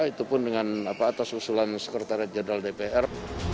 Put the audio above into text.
itu pun dengan atas usulan sekretariat jenderal dpr